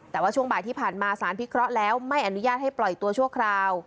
แต่ว่าช่วงบ่ายที่ผ่านมาสารพิเคราะห์แล้วไม่อนุญาตให้ปล่อยตัวชั่วคราว